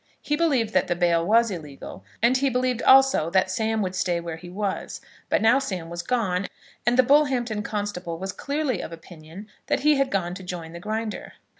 He believed that the bail was illegal, and he believed also that Sam would stay where he was. But now Sam was gone, and the Bullhampton constable was clearly of opinion that he had gone to join the Grinder.